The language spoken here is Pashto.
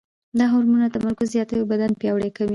دا هورمونونه تمرکز زیاتوي او بدن پیاوړی کوي.